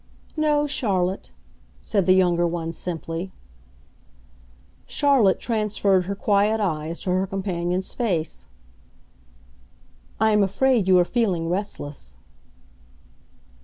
"No, Charlotte," said the younger one simply. Charlotte transferred her quiet eyes to her companion's face. "I am afraid you are feeling restless."